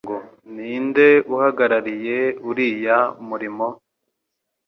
Ahubwo baribaza ngo: Ninde uhagarariye uriya murimo?